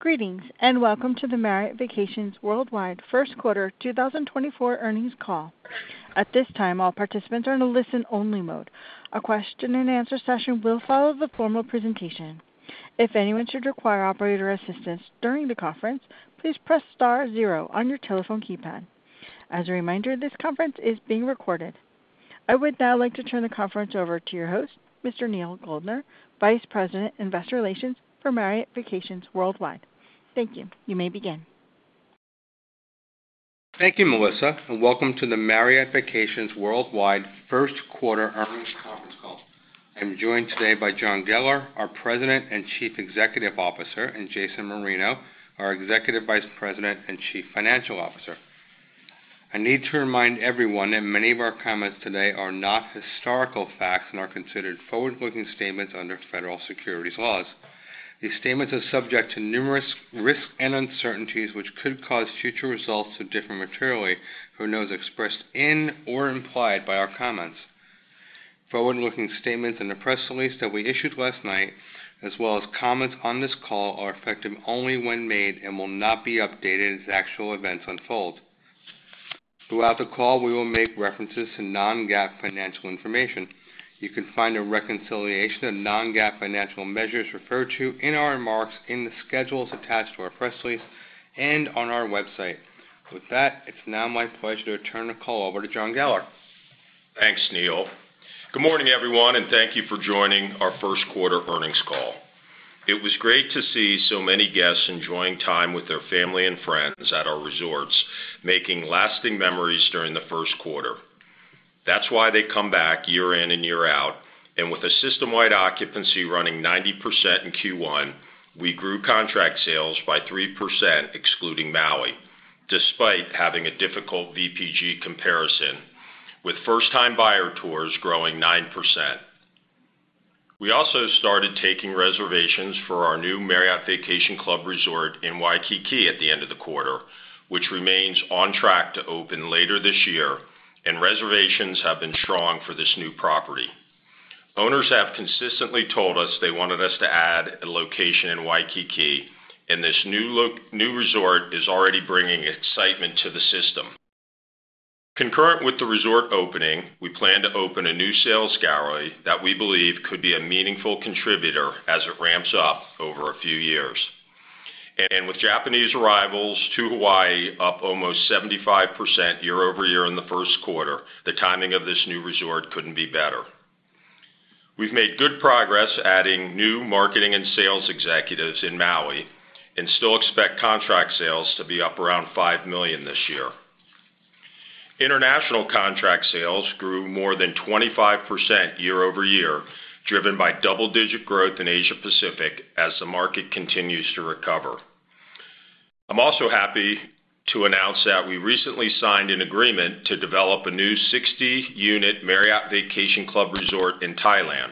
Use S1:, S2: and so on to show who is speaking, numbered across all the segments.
S1: Greetings, and welcome to the Marriott Vacations Worldwide Q1 2024 Earnings Call. At this time, all participants are in a listen-only mode. A question and answer session will follow the formal presentation. If anyone should require operator assistance during the conference, please press star zero on your telephone keypad. As a reminder, this conference is being recorded. I would now like to turn the conference over to your host, Mr. Neal Goldner, Vice President, Investor Relations for Marriott Vacations Worldwide. Thank you, you may begin.
S2: Thank you, Melissa, and welcome to the Marriott Vacations Worldwide Q1 Earnings Conference Call. I'm joined today by John Geller, our President and Chief Executive Officer, and Jason Marino, our Executive Vice President and Chief Financial Officer. I need to remind everyone that many of our comments today are not historical facts and are considered forward-looking statements under federal securities laws. These statements are subject to numerous risks and uncertainties, which could cause future results to differ materially from those expressed in or implied by our comments. Forward-looking statements in the press release that we issued last night, as well as comments on this call, are effective only when made and will not be updated as actual events unfold. Throughout the call, we will make references to non-GAAP financial information. You can find a reconciliation of non-GAAP financial measures referred to in our remarks in the schedules attached to our press release and on our website. With that, it's now my pleasure to turn the call over to John Geller.
S3: Thanks, Neal. Good morning, everyone, and thank you for joining our Q1 earnings call. It was great to see so many guests enjoying time with their family and friends at our resorts, making lasting memories during the Q1. That's why they come back year in and year out, and with a system-wide occupancy running 90% in Q1, we grew contract sales by 3%, excluding Maui, despite having a difficult VPG comparison, with first-time buyer tours growing 9%. We also started taking reservations for our new Marriott Vacation Club Resort in Waikiki at the end of the quarter, which remains on track to open later this year, and reservations have been strong for this new property. Owners have consistently told us they wanted us to add a location in Waikiki, and this new resort is already bringing excitement to the system. Concurrent with the resort opening, we plan to open a new sales gallery that we believe could be a meaningful contributor as it ramps up over a few years. With Japanese arrivals to Hawaii up almost 75% year-over-year in the Q1, the timing of this new resort couldn't be better. We've made good progress adding new marketing and sales executives in Maui and still expect contract sales to be up around $5,000,000 this year. International contract sales grew more than 25% year-over-year, driven by double-digit growth in Asia Pacific as the market continues to recover. I'm also happy to announce that we recently signed an agreement to develop a new 60-unit Marriott Vacation Club Resort in Thailand.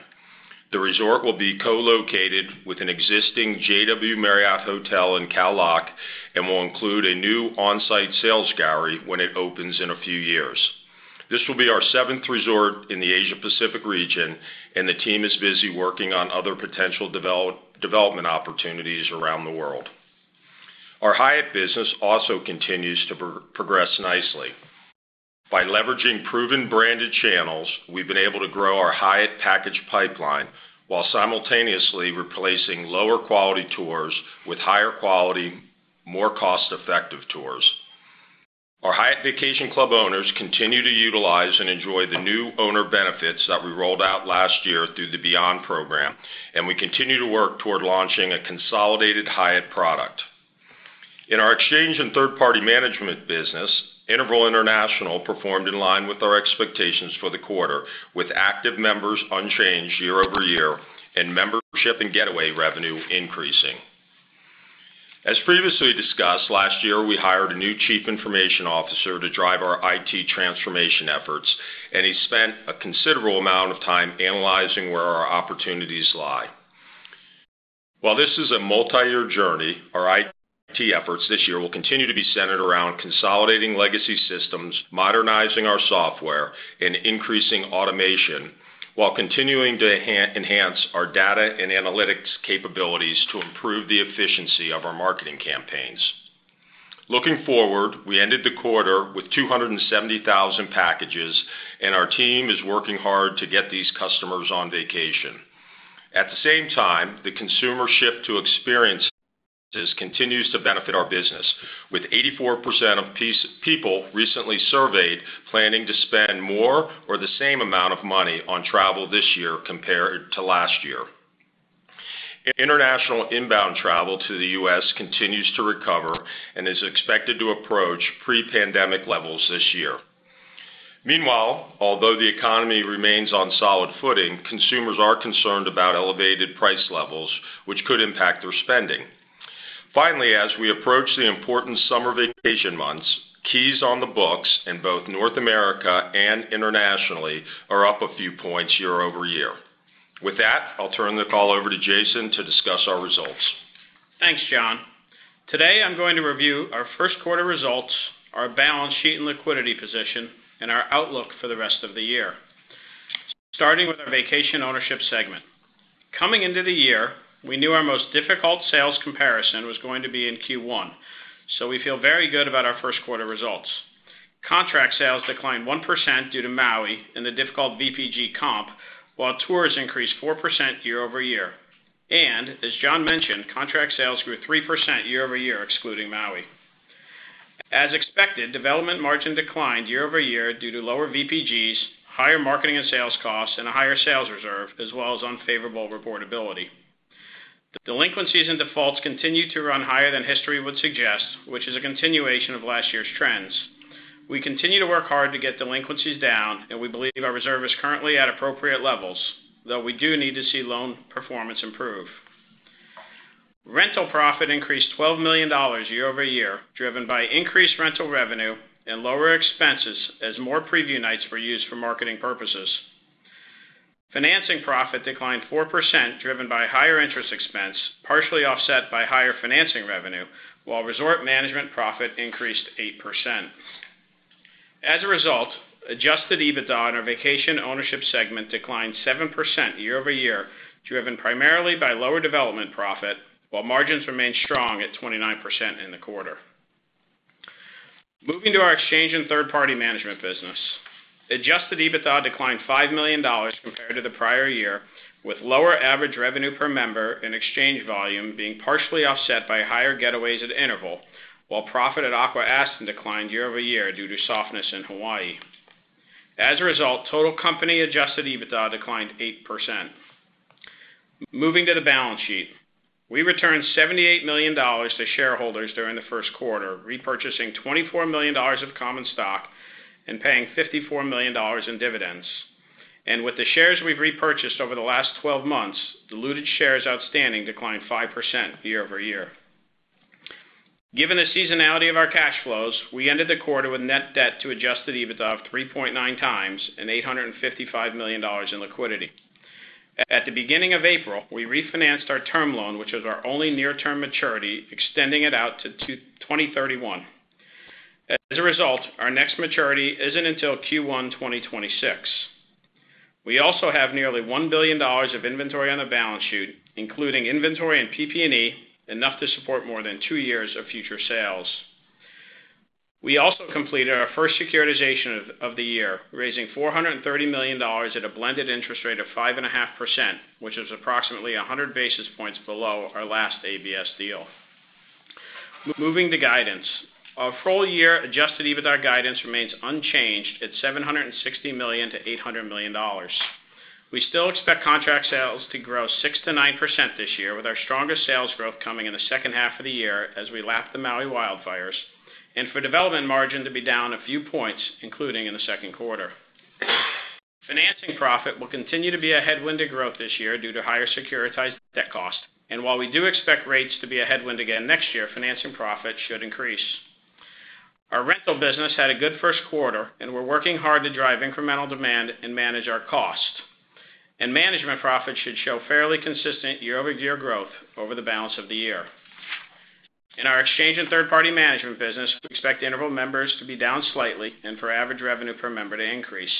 S3: The resort will be co-located with an existing JW Marriott Hotel in Khao Lak and will include a new on-site sales gallery when it opens in a few years. This will be our seventh resort in the Asia Pacific region, and the team is busy working on other potential development opportunities around the world. Our Hyatt business also continues to progress nicely. By leveraging proven branded channels, we've been able to grow our Hyatt package pipeline while simultaneously replacing lower-quality tours with higher quality, more cost-effective tours. Our Hyatt Vacation Club owners continue to utilize and enjoy the new owner benefits that we rolled out last year through the Beyond program, and we continue to work toward launching a consolidated Hyatt product. In our exchange and third-party management business, Interval International performed in line with our expectations for the quarter, with active members unchanged year-over-year and membership and getaway revenue increasing. As previously discussed, last year, we hired a new chief information officer to drive our IT transformation efforts, and he spent a considerable amount of time analyzing where our opportunities lie. While this is a multi-year journey, our IT efforts this year will continue to be centered around consolidating legacy systems, modernizing our software, and increasing automation while continuing to enhance our data and analytics capabilities to improve the efficiency of our marketing campaigns. Looking forward, we ended the quarter with 270,000 packages, and our team is working hard to get these customers on vacation. At the same time, the consumer shift to experiences continues to benefit our business, with 84% of people recently surveyed planning to spend more or the same amount of money on travel this year compared to last year. International inbound travel to the US continues to recover and is expected to approach pre-pandemic levels this year. Meanwhile, although the economy remains on solid footing, consumers are concerned about elevated price levels, which could impact their spending. Finally, as we approach the important summer vacation months, keys on the books in both North America and internationally are up a few points year-over-year. With that, I'll turn the call over to Jason to discuss our results.
S4: Thanks, John. Today, I'm going to review our Q1 results, our balance sheet and liquidity position, and our outlook for the rest of the year. Starting with our vacation ownership segment. Coming into the year, we knew our most difficult sales comparison was going to be in Q1, so we feel very good about our Q1 results. Contract sales declined 1% due to Maui and the difficult VPG comp, while tours increased 4% year-over-year. As John mentioned, contract sales grew 3% year-over-year, excluding Maui. As expected, development margin declined year-over-year due to lower VPGs, higher marketing and sales costs, and a higher sales reserve, as well as unfavorable reportability. Delinquencies and defaults continue to run higher than history would suggest, which is a continuation of last year's trends. We continue to work hard to get delinquencies down, and we believe our reserve is currently at appropriate levels, though we do need to see loan performance improve. Rental profit increased $12,000,000 year-over-year, driven by increased rental revenue and lower expenses as more preview nights were used for marketing purposes. Financing profit declined 4%, driven by higher interest expense, partially offset by higher financing revenue, while resort management profit increased 8%. As a result, Adjusted EBITDA on our vacation ownership segment declined 7% year-over-year, driven primarily by lower development profit, while margins remained strong at 29% in the quarter. Moving to our exchange and third-party management business. Adjusted EBITDA declined $5,000,000 compared to the prior year, with lower average revenue per member and exchange volume being partially offset by higher getaways at Interval, while profit at Aqua-Aston declined year-over-year due to softness in Hawaii. As a result, total company Adjusted EBITDA declined 8%. Moving to the balance sheet. We returned $78,000,000 to shareholders during the Q1, repurchasing $24,000,000 of common stock and paying $54,000,000 in dividends. With the shares we've repurchased over the last 12 months, diluted shares outstanding declined 5% year over year. Given the seasonality of our cash flows, we ended the quarter with net debt to adjusted EBITDA of 3.9 times and $855,000,000 in liquidity. At the beginning of April, we refinanced our term loan, which was our only near-term maturity, extending it out to 2031. As a result, our next maturity isn't until Q1 2026. We also have nearly $1 billion of inventory on the balance sheet, including inventory and PP&E, enough to support more than two years of future sales. We also completed our first securitization of the year, raising $430,000,000 at a blended interest rate of 5.5%, which is approximately 100 basis points below our last ABS deal. Moving to guidance. Our full-year adjusted EBITDA guidance remains unchanged at $760 million to $800 million. We still expect contract sales to grow 6%-9% this year, with our strongest sales growth coming in the H2 of the year as we lap the Maui wildfires, and for development margin to be down a few points, including in the Q2. Financing profit will continue to be a headwind to growth this year due to higher securitized debt costs. And while we do expect rates to be a headwind again next year, financing profit should increase. Our rental business had a good Q1, and we're working hard to drive incremental demand and manage our cost. And management profit should show fairly consistent year-over-year growth over the balance of the year. In our exchange and third-party management business, we expect Interval members to be down slightly and for average revenue per member to increase.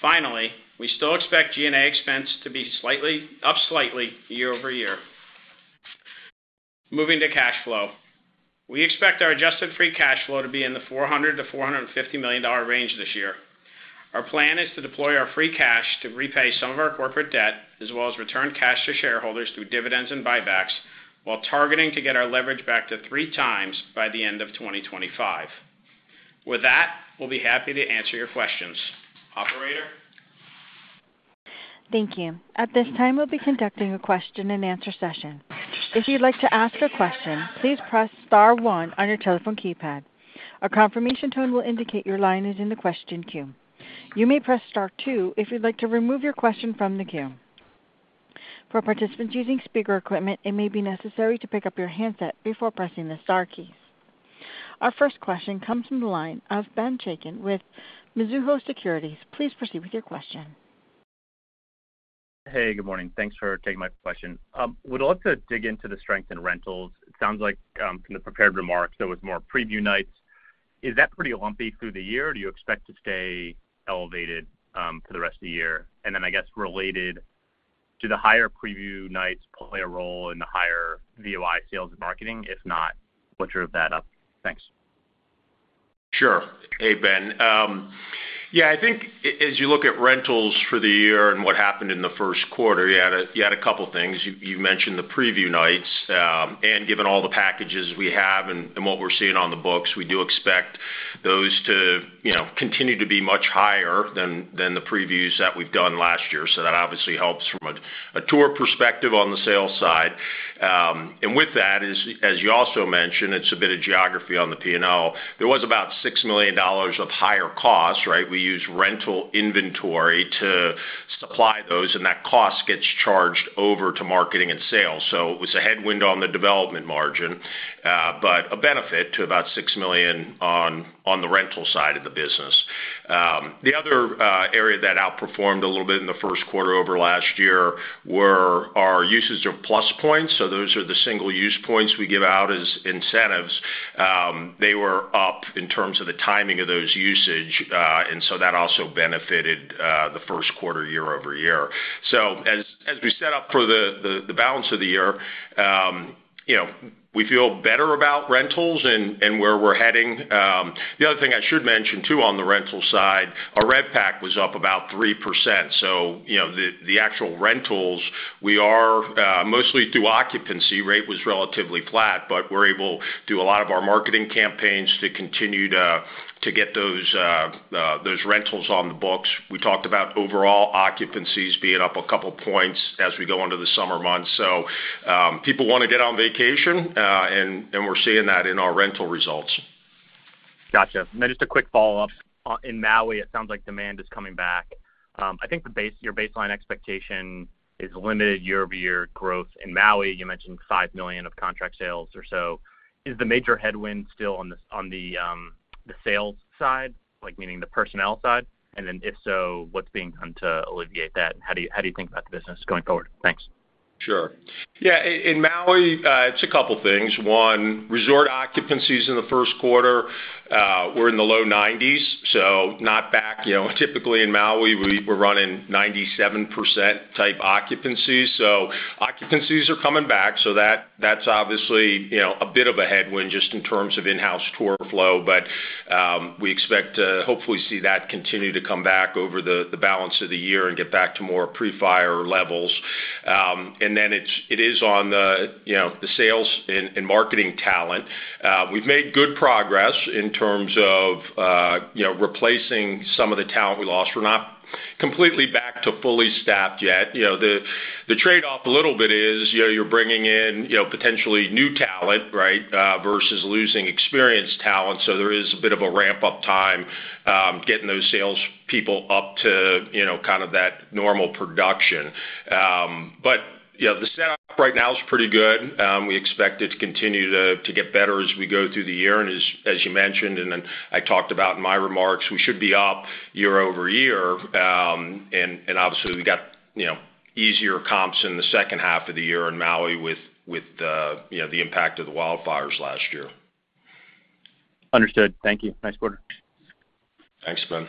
S4: Finally, we still expect G&A expense to be slightly up slightly year over year. Moving to cash flow. We expect our adjusted free cash flow to be in the $400 million to $450 million range this year. Our plan is to deploy our free cash to repay some of our corporate debt, as well as return cash to shareholders through dividends and buybacks, while targeting to get our leverage back to 3x by the end of 2025. With that, we'll be happy to answer your questions. Operator?
S1: Thank you. At this time, we'll be conducting a question-and-answer session. If you'd like to ask a question, please press star one on your telephone keypad. A confirmation tone will indicate your line is in the question queue. You may press Star two if you'd like to remove your question from the queue. For participants using speaker equipment, it may be necessary to pick up your handset before pressing the star keys. Our first question comes from the line of Ben Chaiken with Mizuho Securities. Please proceed with your question.
S5: Hey, good morning. Thanks for taking my question. Would love to dig into the strength in rentals. It sounds like, from the prepared remarks, there was more preview nights. Is that pretty lumpy through the year, or do you expect to stay elevated, for the rest of the year? And then, I guess, related, do the higher preview nights play a role in the higher VOI sales and marketing? If not, what drove that up? Thanks.
S3: Sure. Hey, Ben. Yeah, I think as you look at rentals for the year and what happened in the Q1, you had a couple of things. You mentioned the preview nights, and given all the packages we have and what we're seeing on the books, we do expect those to, you know, continue to be much higher than the previews that we've done last year. So that obviously helps from a tour perspective on the sales side. And with that, as you also mentioned, it's a bit of geography on the P&L. There was about $6,000,000 of higher costs, right? We use rental inventory to supply those, and that cost gets charged over to marketing and sales. So it was a headwind on the development margin, but a benefit to about $6,000,000 on the rental side of the business. The other area that outperformed a little bit in the Q1 over last year were our usage of plus points. So those are the single-use points we give out as incentives. They were up in terms of the timing of those usage, and so that also benefited the Q1 year-over-year. So as we set up for the balance of the year, .you know, we feel better about rentals and where we're heading. The other thing I should mention, too, on the rental side, our RevPAX was up about 3%. So, you know, the actual rentals we are mostly through occupancy rate was relatively flat, but we're able, through a lot of our marketing campaigns, to continue to get those rentals on the books. We talked about overall occupancies being up a couple points as we go into the summer months. So, people want to get on vacation and we're seeing that in our rental results.
S5: Gotcha and then just a quick follow-up. In Maui, it sounds like demand is coming back. I think your baseline expectation is limited year-over-year growth. In Maui, you mentioned $5,000,000 of contract sales or so. Is the major headwind still on the sales side, like, meaning the personnel side? And then, if so, what's being done to alleviate that? How do you think about the business going forward? Thanks.
S3: Sure. Yeah, in Maui, it's a couple things. One, resort occupancies in the Q1 were in the low 90s, so not back. You know, typically in Maui, we're running 97% type occupancies. So occupancies are coming back, so that's obviously, you know, a bit of a headwind just in terms of in-house tour flow. But we expect to hopefully see that continue to come back over the balance of the year and get back to more pre-fire levels. And then it is on the, you know, the sales and marketing talent. We've made good progress in terms of, you know, replacing some of the talent we lost. We're not completely back to fully staffed yet. You know, the trade-off a little bit is, you know, you're bringing in, you know, potentially new talent, right, versus losing experienced talent, so there is a bit of a ramp-up time, getting those salespeople up to, you know, kind of that normal production. But, you know, the setup right now is pretty good. We expect it to continue to get better as we go through the year. And as you mentioned, and then I talked about in my remarks, we should be up year over year. And obviously, we got, you know, easier comps in the H2 of the year in Maui with the impact of the wildfires last year.
S5: Understood. Thank you, nice quarter.
S3: Thanks, Ben.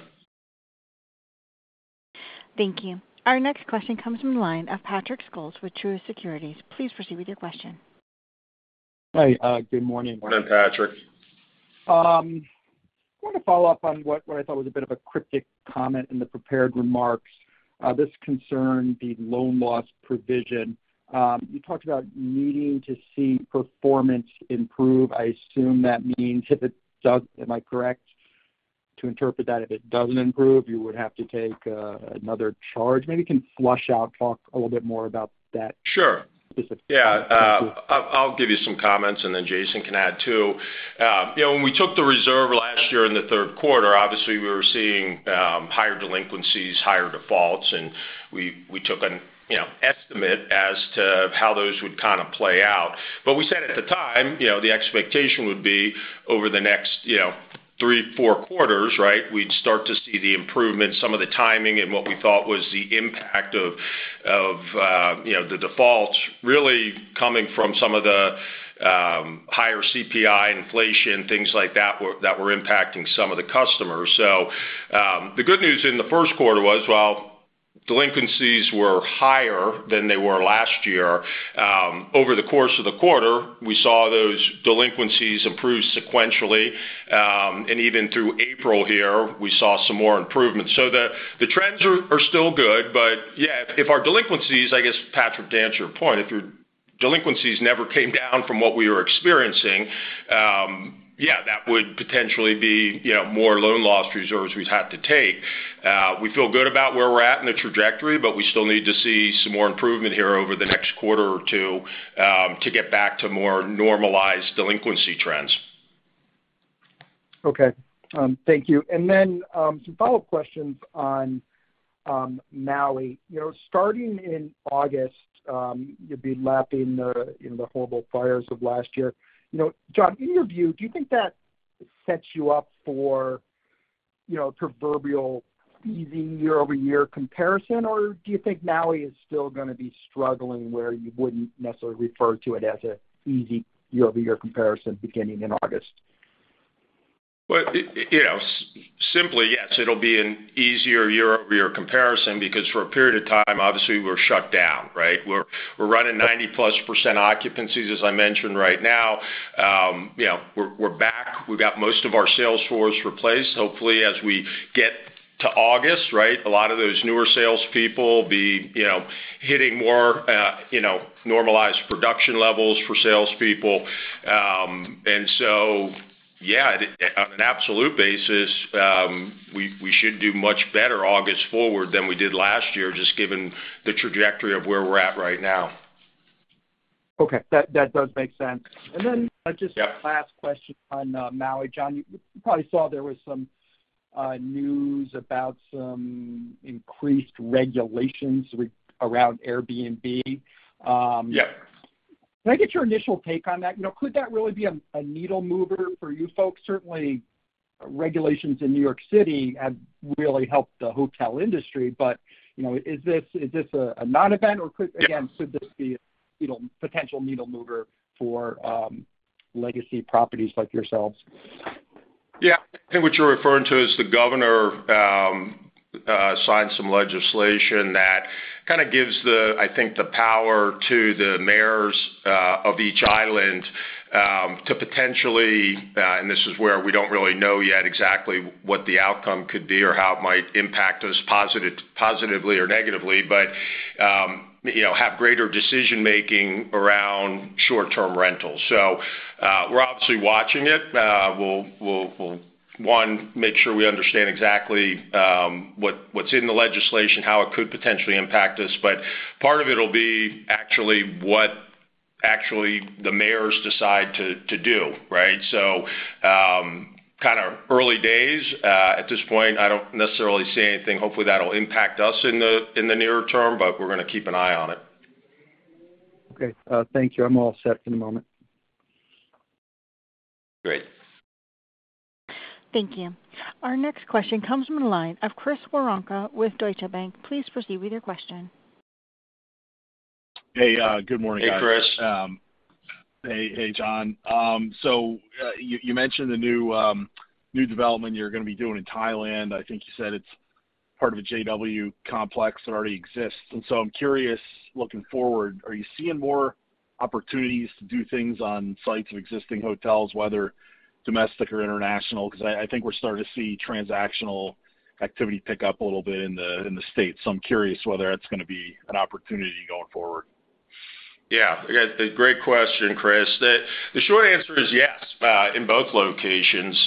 S1: Thank you. Our next question comes from the line of Patrick Scholes with Truist Securities. Please proceed with your question.
S6: Hi, good morning.
S3: Morning, Patrick.
S6: I want to follow up on what I thought was a bit of a cryptic comment in the prepared remarks. This concerned the loan loss provision. You talked about needing to see performance improve. I assume that means if it does, am I correct to interpret that if it doesn't improve, you would have to take another charge? Maybe you can flesh out, talk a little bit more about that-
S3: Sure.
S6: -specific.
S3: Yeah. I'll give you some comments, and then Jason can add, too. You know, when we took the reserve last year in the Q3, obviously, we were seeing higher delinquencies, higher defaults, and we took an estimate as to how those would kind of play out. But we said at the time, you know, the expectation would be over the next three, four quarters, right, we'd start to see the improvement, some of the timing and what we thought was the impact of the defaults really coming from some of the higher CPI, inflation, things like that, that were impacting some of the customers. So, the good news in the Q1 was, while delinquencies were higher than they were last year, over the course of the quarter, we saw those delinquencies improve sequentially. And even through April here, we saw some more improvement. So the trends are still good, but yeah, if our delinquencies, I guess, Patrick, to answer your point, if your delinquencies never came down from what we were experiencing, yeah, that would potentially be, you know, more loan loss reserves we'd have to take. We feel good about where we're at in the trajectory, but we still need to see some more improvement here over the next quarter or two, to get back to more normalized delinquency trends.
S6: Okay, thank you. And then, some follow-up questions on, Maui. You know, starting in August, you'll be lapping the, you know, the horrible fires of last year. You know, John, in your view, do you think that sets you up for, you know, proverbial easy year-over-year comparison? Or do you think Maui is still gonna be struggling, where you wouldn't necessarily refer to it as a easy year-over-year comparison beginning in August?
S3: Well, you know, simply, yes, it'll be an easier year-over-year comparison because for a period of time, obviously, we're shut down, right? We're running 90%+ occupancies, as I mentioned right now. You know, we're back. We've got most of our sales force replaced. Hopefully, as we get to August, right, a lot of those newer salespeople will be, you know, hitting more normalized production levels for sales people. And so, yeah, at an absolute basis, we should do much better August forward than we did last year, just given the trajectory of where we're at right now.
S6: Okay. That does make sense.
S3: Yep.
S6: Then, just last question on Maui. John, you probably saw there was some news about some increased regulations around Airbnb.
S3: Yep.
S6: Can I get your initial take on that? You know, could that really be a needle mover for you folks? Certainly, regulations in New York City have really helped the hotel industry, but, you know, is this a non-event, or could, again, could this be, you know, potential needle mover for legacy properties like yourselves?
S3: Yeah, I think what you're referring to is the governor signed some legislation that kind of gives the, I think, the power to the mayors of each island to potentially, and this is where we don't really know yet exactly what the outcome could be or how it might impact us positively or negatively, but you know, have greater decision-making around short-term rentals. So, we're obviously watching it. We'll one, make sure we understand exactly what what's in the legislation, how it could potentially impact us. But part of it'll be actually what actually the mayors decide to do, right? So, kind of early days. At this point, I don't necessarily see anything, hopefully, that'll impact us in the nearer term, but we're gonna keep an eye on it.
S6: Okay, thank you. I'm all set for the moment.
S3: Great.
S1: Thank you. Our next question comes from the line of Chris Woronka with Deutsche Bank. Please proceed with your question.
S7: Hey, good morning, guys.
S3: Hey, Chris.
S7: Hey, John. So, you mentioned the new development you're gonna be doing in Thailand. I think you said it's part of a JW complex that already exists. And so I'm curious, looking forward, are you seeing more opportunities to do things on sites of existing hotels, whether domestic or international? Because I think we're starting to see transactional activity pick up a little bit in the States, so I'm curious whether that's gonna be an opportunity going forward.
S3: Yeah, great question, Chris. The short answer is yes in both locations.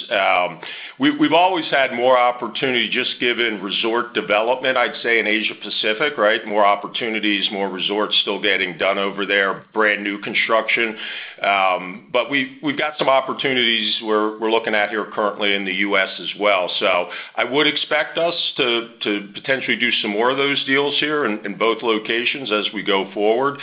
S3: We've always had more opportunity just given resort development, I'd say, in Asia Pacific, right? More opportunities, more resorts still getting done over there, brand-new construction. But we've got some opportunities we're looking at here currently in the US as well. So I would expect us to potentially do some more of those deals here in both locations as we go forward.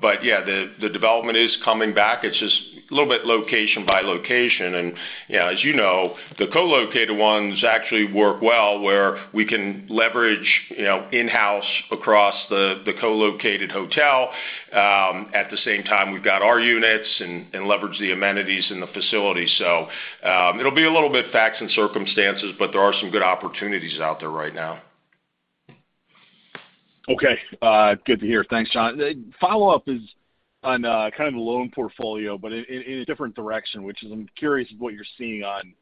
S3: But yeah, the development is coming back. It's just a little bit location by location. And, you know, as you know, the co-located ones actually work well, where we can leverage, you know, in-house across the co-located hotel. At the same time, we've got our units and leverage the amenities in the facility. So, it'll be a little bit facts and circumstances, but there are some good opportunities out there right now.
S7: Okay, good to hear. Thanks, John. The follow-up is on kind of the loan portfolio, but in a different direction, which is I'm curious what you're seeing on,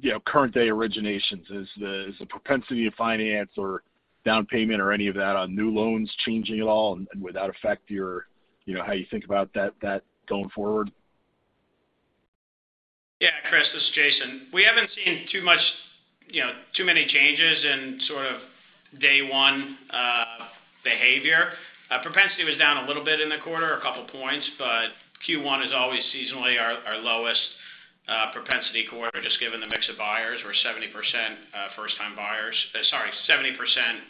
S7: you know, current day originations. Is the propensity to finance or down payment or any of that on new loans changing at all? And would that affect your, you know, how you think about that going forward?
S4: Yeah, Chris, this is Jason. We haven't seen too much, you know, too many changes in sort of day one behavior. Propensity was down a little bit in the quarter, a couple points, but Q1 is always seasonally our lowest propensity quarter, just given the mix of buyers. We're 70%, first-time buyers... Sorry, 70%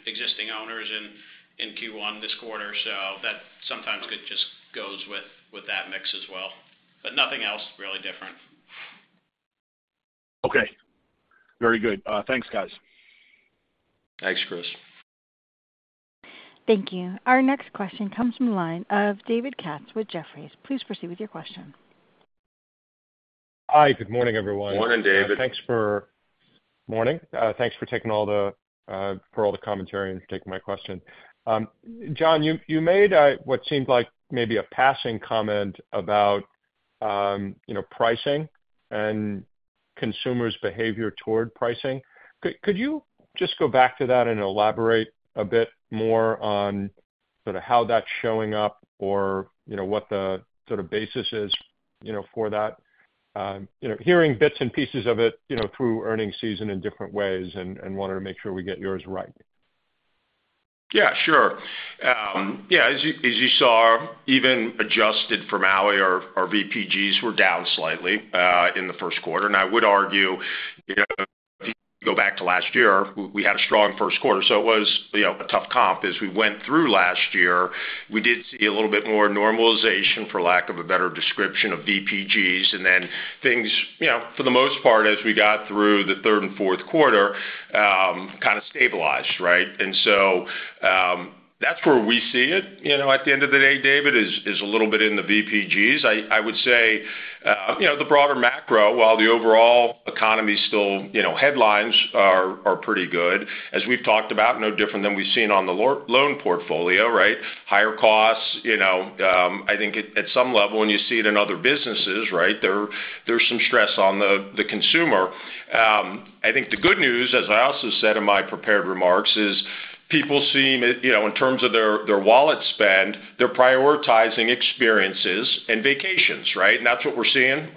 S4: existing owners in Q1 this quarter. So that sometimes could just goes with that mix as well, but nothing else really different.
S7: Okay, very good. Thanks, guys.
S3: Thanks, Chris.
S1: Thank you. Our next question comes from the line of David Katz with Jefferies. Please proceed with your question.
S8: Hi, good morning, everyone.
S3: Morning, David.
S8: Morning. Thanks for taking all the commentary and taking my question. John, you made what seemed like maybe a passing comment about you know, pricing and consumers' behavior toward pricing. Could you just go back to that and elaborate a bit more on sort of how that's showing up or, you know, what the sort of basis is, you know, for that? You know, hearing bits and pieces of it, you know, through earnings season in different ways and wanted to make sure we get yours right.
S3: Yeah, sure. Yeah, as you, as you saw, even adjusted for Maui, our, our VPGs were down slightly in the Q1. I would argue, you know, go back to last year, we, we had a strong Q1, so it was, you know, a tough comp. As we went through last year, we did see a little bit more normalization, for lack of a better description, of VPGs, and then things, you know, for the most part, as we got through the third and Q4, kind of stabilized, right? So, that's where we see it, you know, at the end of the day, David, is, is a little bit in the VPGs. I would say, you know, the broader macro, while the overall economy is still, you know, headlines are pretty good, as we've talked about, no different than we've seen on the loan portfolio, right? Higher costs, you know, I think at some level, and you see it in other businesses, right, there's some stress on the consumer. I think the good news, as I also said in my prepared remarks, is people seem, you know, in terms of their wallet spend, they're prioritizing experiences and vacations, right? And that's what we're seeing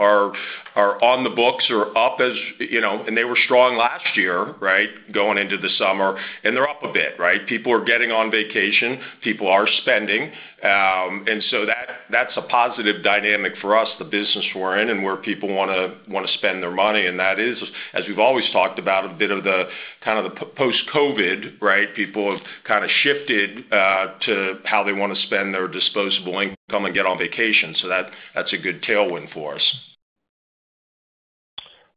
S3: are on the books or up as, you know, and they were strong last year, right, going into the summer, and they're up a bit, right? People are getting on vacation, people are spending, and so that, that's a positive dynamic for us, the business we're in and where people wanna spend their money, and that is, as we've always talked about, a bit of the kind of post-COVID, right? People have kind of shifted to how they want to spend their disposable income and get on vacation. So that, that's a good tailwind for us.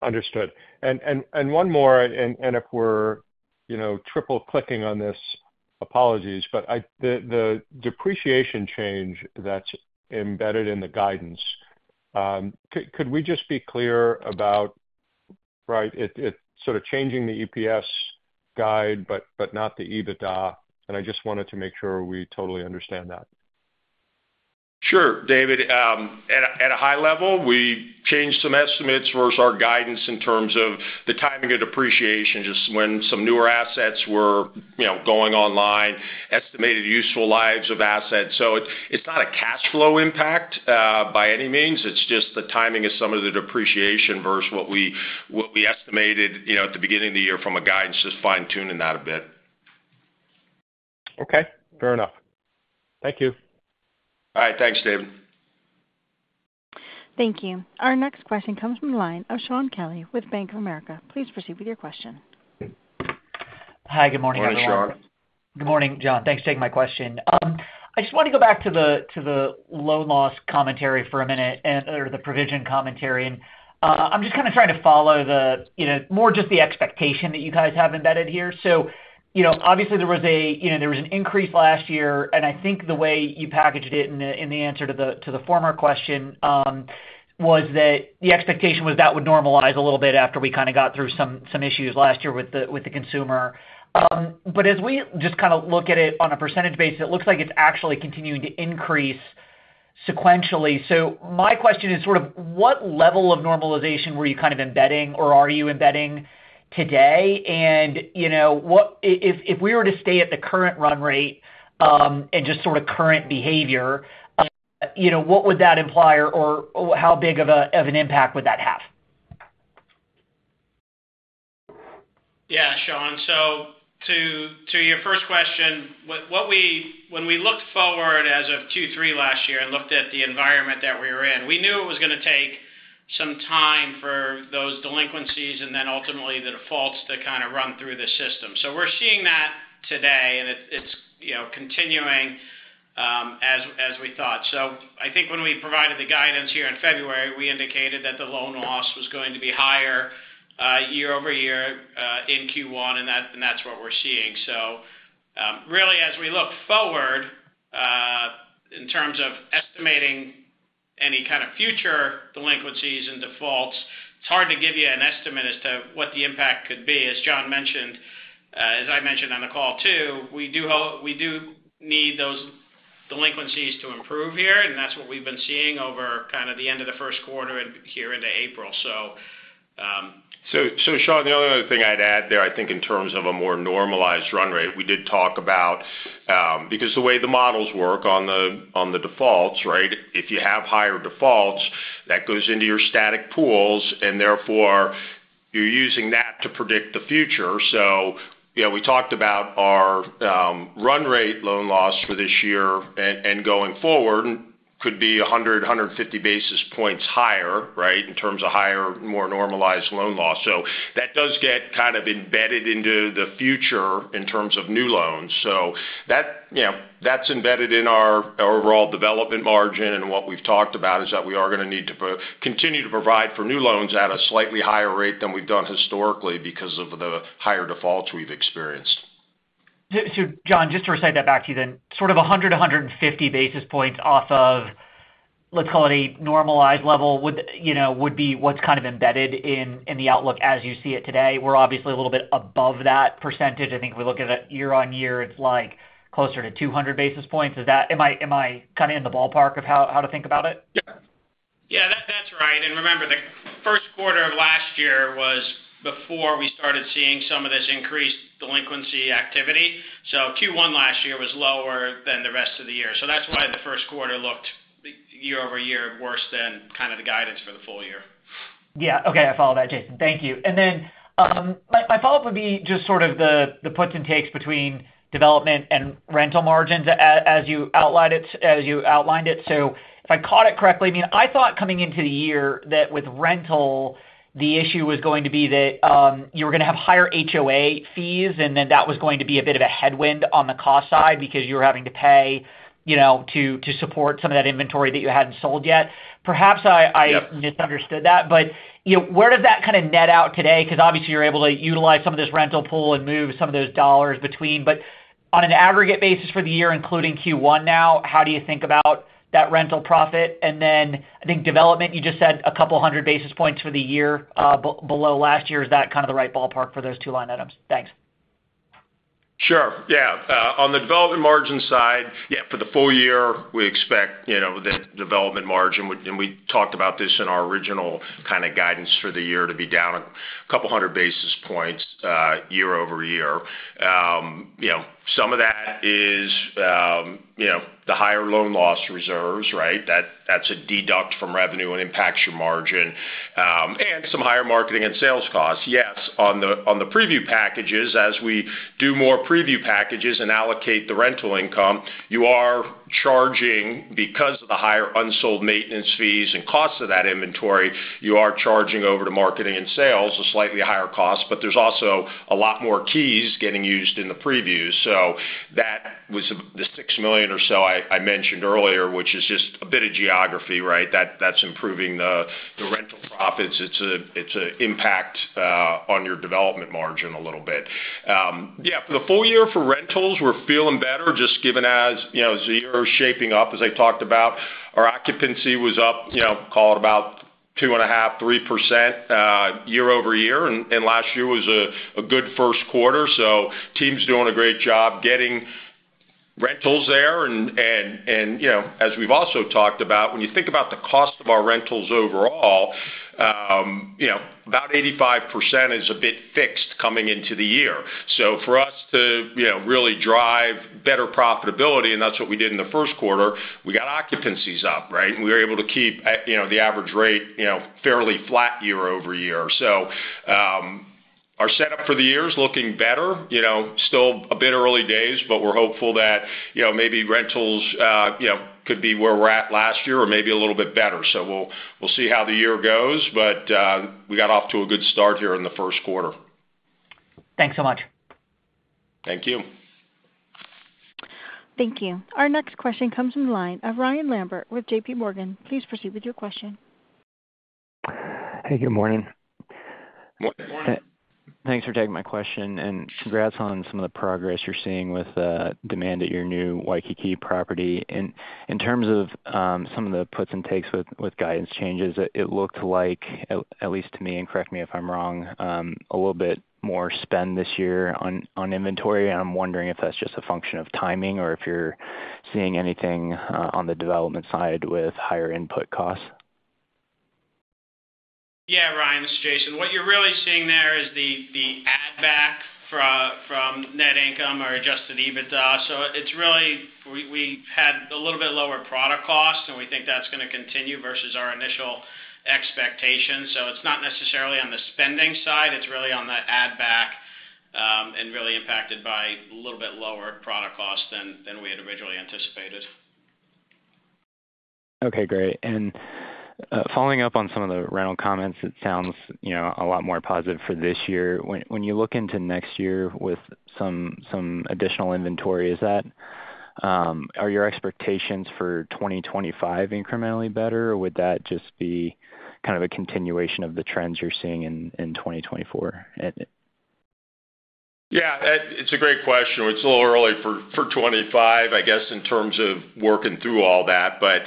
S8: Understood. And one more, if we're, you know, triple-clicking on this, apologies, but the depreciation change that's embedded in the guidance, could we just be clear about, right, it sort of changing the EPS guide, but not the EBITDA? And I just wanted to make sure we totally understand that.
S3: Sure, David. At a high level, we changed some estimates versus our guidance in terms of the timing of depreciation, just when some newer assets were, you know, going online, estimated useful lives of assets. So it's not a cash flow impact by any means. It's just the timing of some of the depreciation versus what we estimated, you know, at the beginning of the year from a guidance, just fine-tuning that a bit.
S8: Okay, fair enough. Thank you.
S3: All right. Thanks, David.
S1: Thank you. Our next question comes from the line of Shaun Kelley with Bank of America. Please proceed with your question.
S9: Hi, good morning, everyone.
S3: Morning, Sean.
S9: Good morning, John. Thanks for taking my question. I just want to go back to the loan loss commentary for a minute and or the provision commentary. And, I'm just kind of trying to follow the, you know, more just the expectation that you guys have embedded here. So, you know, obviously, there was an increase last year, and I think the way you packaged it in the answer to the former question was that the expectation was that would normalize a little bit after we kind of got through some issues last year with the consumer. But as we just kind of look at it on a percentage basis, it looks like it's actually continuing to increase sequentially. So my question is sort of what level of normalization were you kind of embedding or are you embedding today? And, you know, what if, if we were to stay at the current run rate, and just sort of current behavior, you know, what would that imply or, or how big of an impact would that have?
S4: Yeah, Shaun. So to your first question, what we, when we looked forward as of Q3 last year and looked at the environment that we were in, we knew it was going to take some time for those delinquencies and then ultimately the defaults to kind of run through the system. So we're seeing that today, and it's, you know, continuing as we thought. So I think when we provided the guidance here in February, we indicated that the loan loss was going to be higher year-over-year in Q1, and that's what we're seeing. So really, as we look forward in terms of estimating any kind of future delinquencies and defaults, it's hard to give you an estimate as to what the impact could be. As John mentioned, as I mentioned on the call, too, we do need those delinquencies to improve here, and that's what we've been seeing over kind of the end of the Q1 and here into April. So,
S3: So, Sean, the only other thing I'd add there, I think in terms of a more normalized run rate, we did talk about, because the way the models work on the, on the defaults, right? If you have higher defaults, that goes into your static pools, and therefore, you're using that to predict the future. So you know, we talked about our, run rate loan loss for this year and, and going forward could be 100-150 basis points higher, right, in terms of higher, more normalized loan loss. So that does get kind of embedded into the future in terms of new loans. That, you know, that's embedded in our overall development margin, and what we've talked about is that we are going to need to continue to provide for new loans at a slightly higher rate than we've done historically because of the higher defaults we've experienced.
S9: So, John, just to recite that back to you then, sort of 100, 150 basis points off of, let's call it a normalized level, would, you know, would be what's kind of embedded in, in the outlook as you see it today. We're obviously a little bit above that percentage. I think if we look at it year on year, it's like closer to 200 basis points. Is that, am I, am I kind of in the ballpark of how, how to think about it?
S4: Yeah. Yeah, that's right. And remember, the Q1 of last year was before we started seeing some of this increased delinquency activity. So Q1 last year was lower than the rest of the year. So that's why the Q1 looked year-over-year, worse than kind of the guidance for the full year.
S9: Yeah. Okay, I follow that, Jason. Thank you. And then my follow-up would be just sort of the puts and takes between development and rental margins as you outlined it. So if I caught it correctly, I mean, I thought coming into the year that with rental, the issue was going to be that you were going to have higher HOA fees, and then that was going to be a bit of a headwind on the cost side because you were having to pay, you know, to support some of that inventory that you hadn't sold yet. Perhaps I-
S4: Yeah
S9: ...misunderstood that, but you know, where does that kind of net out today? Because obviously, you're able to utilize some of this rental pool and move some of those dollars between. But on an aggregate basis for the year, including Q1 now, how do you think about that rental profit? And then, I think development, you just said a couple hundred basis points for the year, below last year. Is that kind of the right ballpark for those two line items? Thanks.
S3: Sure. Yeah, on the development margin side, yeah, for the full year, we expect, you know, the development margin, and we talked about this in our original kind of guidance for the year, to be down 200 basis points, year-over-year. You know, some of that is, you know, the higher loan loss reserves, right? That's a deduct from revenue and impacts your margin, and some higher marketing and sales costs. Yes, on the preview packages, as we do more preview packages and allocate the rental income, you are charging because of the higher unsold maintenance fees and costs of that inventory, you are charging over to marketing and sales, a slightly higher cost, but there's also a lot more keys getting used in the previews. So that was the $6,000,000 or so I mentioned earlier, which is just a bit of geography, right? That's improving the rental profits. It's an impact on your development margin a little bit. Yeah, for the full year for rentals, we're feeling better, just given as, you know, Q4 shaping up as I talked about. Our occupancy was up, you know, call it about 2.5-3% year-over-year, and you know, as we've also talked about, when you think about the cost of our rentals overall, you know, about 85% is a bit fixed coming into the year. So for us to, you know, really drive better profitability, and that's what we did in the Q1, we got occupancies up, right? And we were able to keep, you know, the average rate, you know, fairly flat year over year. So, our setup for the year is looking better, you know, still a bit early days, but we're hopeful that, you know, maybe rentals, you know, could be where we're at last year or maybe a little bit better. So we'll, we'll see how the year goes, but, we got off to a good start here in the Q1.
S6: Thanks so much.
S3: Thank you.
S1: Thank you. Our next question comes from the line of Ryan Lambert with JP Morgan. Please proceed with your question.
S10: Hey, good morning.
S3: Good morning.
S10: Thanks for taking my question, and congrats on some of the progress you're seeing with demand at your new Waikiki property. In terms of some of the puts and takes with guidance changes, it looked like, at least to me, and correct me if I'm wrong, a little bit more spend this year on inventory. I'm wondering if that's just a function of timing or if you're seeing anything on the development side with higher input costs.
S4: Yeah, Ryan, this is Jason. What you're really seeing there is the add back from net income or Adjusted EBITDA. So it's really we had a little bit lower product cost, and we think that's gonna continue versus our initial expectations. So it's not necessarily on the spending side, it's really on the add back, and really impacted by a little bit lower product cost than we had originally anticipated.
S10: Okay, great. And, following up on some of the rental comments, it sounds, you know, a lot more positive for this year. When you look into next year with some additional inventory, is that... Are your expectations for 2025 incrementally better, or would that just be kind of a continuation of the trends you're seeing in 2024?
S3: Yeah, it's a great question. It's a little early for 25, I guess, in terms of working through all that. But,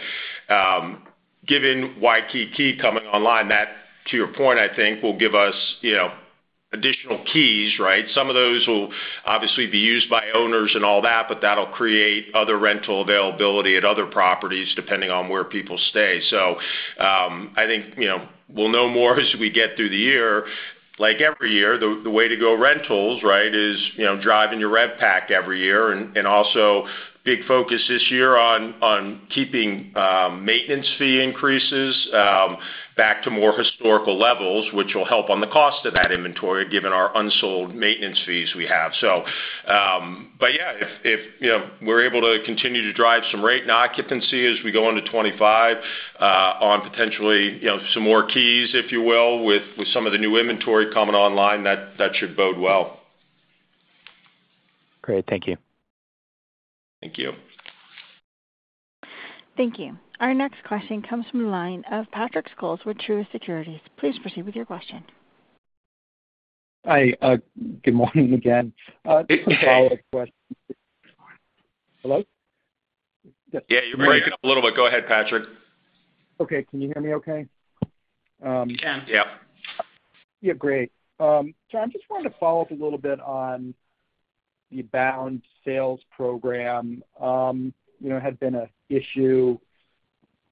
S3: given Waikiki coming online, that, to your point, I think, will give us, you know, additional keys, right? Some of those will obviously be used by owners and all that, but that'll create other rental availability at other properties, depending on where people stay. So, I think, you know, we'll know more as we get through the year. Like every year, the way to go rentals, right, is, you know, driving your RevPAX every year. And also big focus this year on keeping maintenance fee increases back to more historical levels, which will help on the cost of that inventory, given our unsold maintenance fees we have. So, but yeah, if you know, we're able to continue to drive some rate and occupancy as we go into 2025, on potentially, you know, some more keys, if you will, with some of the new inventory coming online, that should bode well.
S10: Great. Thank you.
S3: Thank you.
S1: Thank you. Our next question comes from the line of Patrick Scholes with Truist Securities. Please proceed with your question.
S6: Hi, good morning again. Hello?
S3: Yeah, you're breaking up a little bit. Go ahead, Patrick.
S6: Okay. Can you hear me okay?
S3: We can, yeah.
S6: Yeah, great. So I'm just wanting to follow up a little bit on the Abound sales program. You know, had been a issue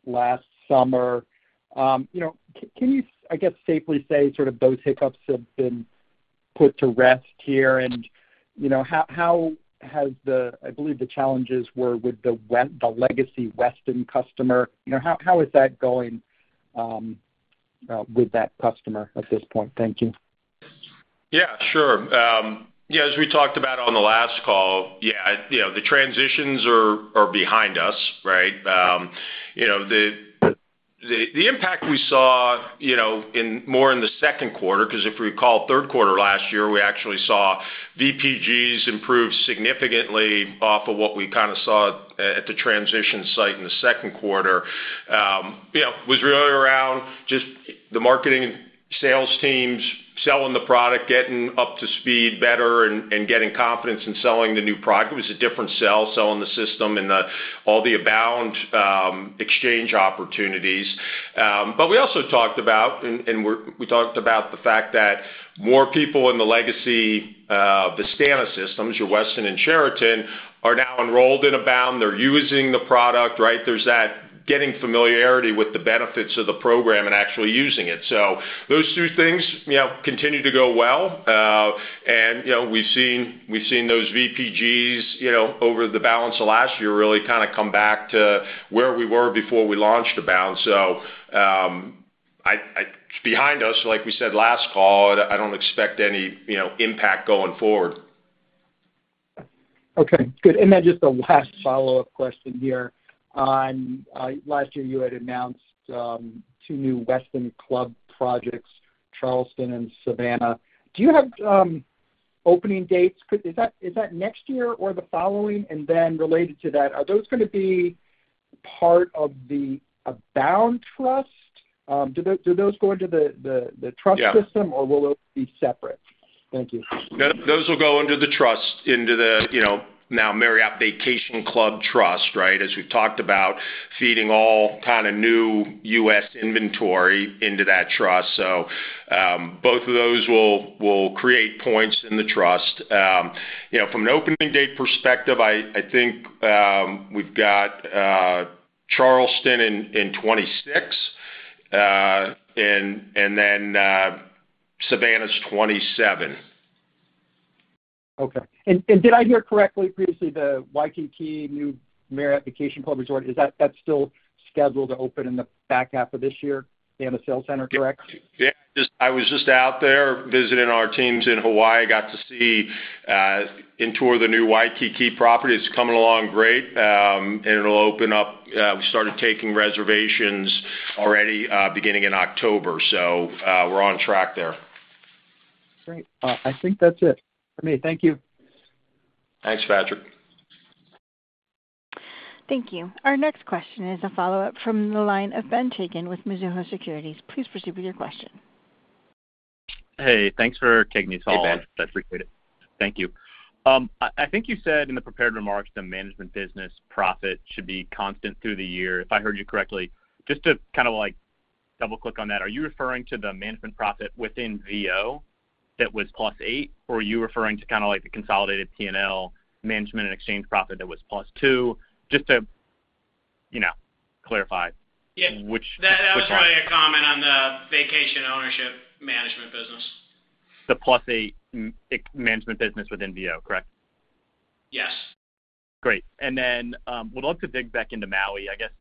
S6: last summer. You know, can you, I guess, safely say sort of those hiccups have been put to rest here? And, you know, how, how has the-- I believe the challenges were with the legacy Westin customer. You know, how, how is that going with that customer at this point? Thank you.
S3: Yeah, sure. Yeah, as we talked about on the last call, yeah, you know, the transitions are behind us, right? You know, the impact we saw, you know, in more in the Q2, because if we recall, Q3 last year, we actually saw VPGs improve significantly off of what we kind of saw at the transition site in the Q2. You know, was really around just the marketing sales teams selling the product, getting up to speed better and getting confidence in selling the new product. It was a different sell, selling the system and all the Abound exchange opportunities. But we also talked about the fact that more people in the legacy Vistana systems, your Westin and Sheraton, are now enrolled in Abound. They're using the product, right? There's that getting familiarity with the benefits of the program and actually using it. So those two things, you know, continue to go well. And, you know, we've seen those VPGs, you know, over the balance of last year, really kind of come back to where we were before we launched Abound. So, it's behind us, like we said last call, I don't expect any, you know, impact going forward.
S6: Okay, good. And then just a last follow-up question here. On last year, you had announced two new Westin Club projects, Charleston and Savannah. Do you have opening dates? Is that next year or the following? And then related to that, are those gonna be part of the Abound trust? Do those go into the trust system-
S3: Yeah...
S6: or will those be separate?... Thank you.
S3: Those will go into the trust, into the, you know, now Marriott Vacation Club Trust, right? As we've talked about, feeding all kind of new US inventory into that trust. So, both of those will create points in the trust. You know, from an opening date perspective, I think we've got Charleston in 2026, and then Savannah's 2027.
S6: Okay. And did I hear correctly, previously, the Waikiki new Marriott Vacation Club Resort, is that, that's still scheduled to open in the back half of this year and the sales center, correct?
S3: Yeah, I was just out there visiting our teams in Hawaii. I got to see and tour the new Waikiki property. It's coming along great, and it'll open up. We started taking reservations already, beginning in October. So, we're on track there.
S6: Great. I think that's it for me. Thank you.
S3: Thanks, Patrick.
S1: Thank you. Our next question is a follow-up from the line of Ben Chaiken with Mizuho Securities. Please proceed with your question.
S5: Hey, thanks for taking these calls.
S3: Hey, Ben.
S5: I appreciate it. Thank you. I think you said in the prepared remarks, the management business profit should be constant through the year, if I heard you correctly. Just to kind of, like, double-click on that, are you referring to the management profit within VO that was +8%, or are you referring to kind of like the consolidated P&L management and exchange profit that was +2%? Just to, you know, clarify-
S4: Yeah-
S5: Which one?
S4: That was really a comment on the vacation ownership management business.
S5: The +8 management business within VO, correct?
S4: Yes.
S5: Great, and then would love to dig back into Maui, I guess.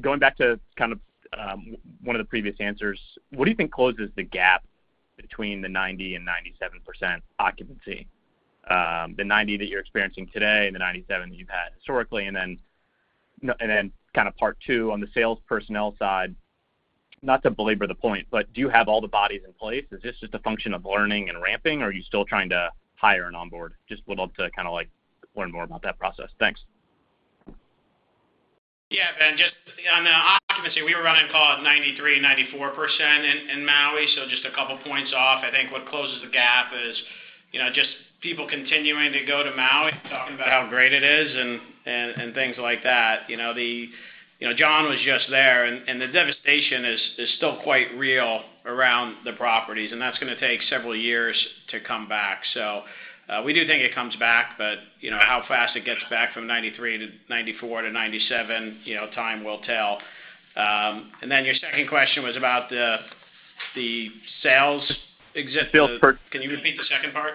S5: Going back to kind of one of the previous answers, what do you think closes the gap between the 90% and 97% occupancy? The 90% that you're experiencing today and the 97% that you've had historically. And then, kind of part two, on the sales personnel side, not to belabor the point, but do you have all the bodies in place? Is this just a function of learning and ramping, or are you still trying to hire and onboard? Just would love to kind of, like, learn more about that process. Thanks.
S4: Yeah, Ben, just on the occupancy, we were running call it 93%, 94% in Maui, so just a couple points off. I think what closes the gap is, you know, just people continuing to go to Maui, talking about how great it is and things like that. You know, John was just there, and the devastation is still quite real around the properties, and that's gonna take several years to come back. So, we do think it comes back, but, you know, how fast it gets back from 93% to 94% to 97%, you know, time will tell. And then your second question was about the sales exit-
S5: Sales per-
S4: Can you repeat the second part?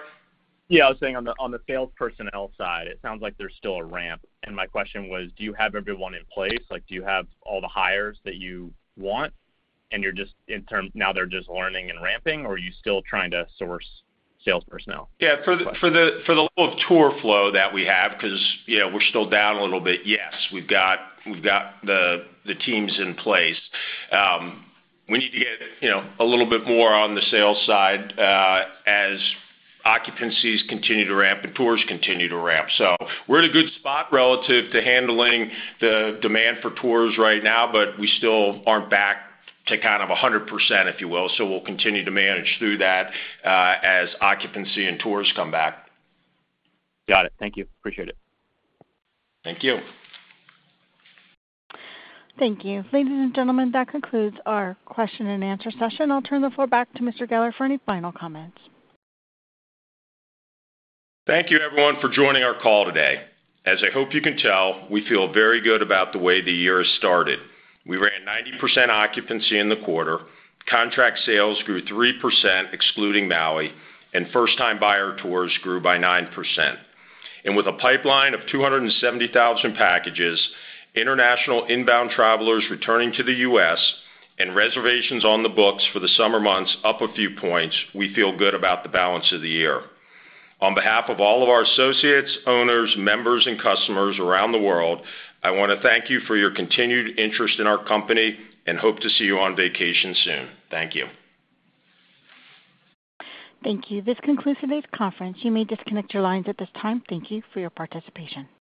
S5: Yeah, I was saying on the sales personnel side, it sounds like there's still a ramp. My question was, do you have everyone in place? Like, do you have all the hires that you want, and you're just in term, now they're just learning and ramping, or are you still trying to source sales personnel?
S3: Yeah, for the little tour flow that we have, because, you know, we're still down a little bit. Yes, we've got the teams in place. We need to get, you know, a little bit more on the sales side, as occupancies continue to ramp and tours continue to ramp. So we're in a good spot relative to handling the demand for tours right now, but we still aren't back to kind of 100%, if you will. So we'll continue to manage through that, as occupancy and tours come back.
S5: Got it. Thank you. Appreciate it.
S3: Thank you.
S1: Thank you. Ladies and gentlemen, that concludes our question and answer session. I'll turn the floor back to Mr. Geller for any final comments.
S3: Thank you, everyone, for joining our call today. As I hope you can tell, we feel very good about the way the year has started. We ran 90% occupancy in the quarter, contract sales grew 3% excluding Maui, and first-time buyer tours grew by 9%. And with a pipeline of 270,000 packages, international inbound travelers returning to the US, and reservations on the books for the summer months up a few points, we feel good about the balance of the year. On behalf of all of our associates, owners, members, and customers around the world, I want to thank you for your continued interest in our company, and hope to see you on vacation soon. Thank you.
S1: Thank you. This concludes today's conference. You may disconnect your lines at this time. Thank you for your participation.